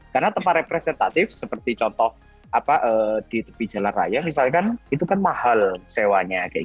karena tempat representatif seperti contoh di tepi jalan raya itu kan mahal sewanya